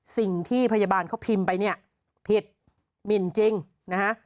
สิ่งที่พยาบาลเขาพิมพ์ไปเนี่ยผิดหมินจริงนะฮะ